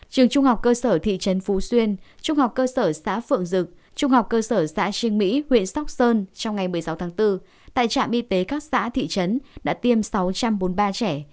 trường trung học cơ sở thị trấn phú xuyên trung học cơ sở xã phượng dực trung học cơ sở xã trương mỹ huyện sóc sơn trong ngày một mươi sáu tháng bốn tại trạm y tế các xã thị trấn đã tiêm sáu trăm bốn mươi ba trẻ